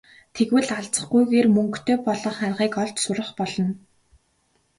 Тэгвэл алзахгүйгээр мөнгөтэй болох аргыг олж сурах болно.